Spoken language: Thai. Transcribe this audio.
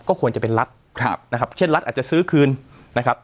ควรจะเป็นรัฐครับนะครับเช่นรัฐอาจจะซื้อคืนนะครับ